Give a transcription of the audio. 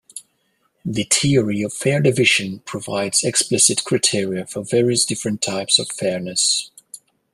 The theory of fair division provides explicit criteria for various different types of fairness.